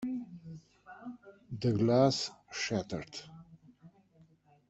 The glass shattered.